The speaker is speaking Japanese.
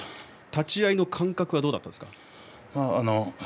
立ち合いの感覚はどうでしたか。